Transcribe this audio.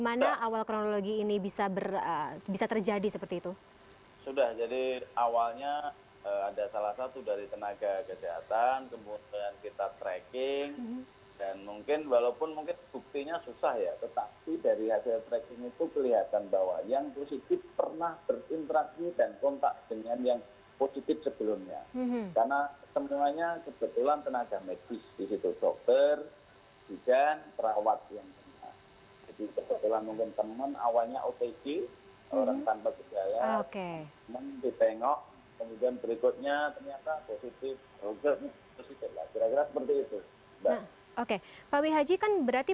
pihak rumah sakit qem menyatakan akan dilakukan mulai sabtu sembilan mei hingga delapan belas mei